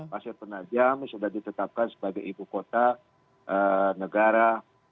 pasir penajam sudah ditetapkan sebagai ibu kota negara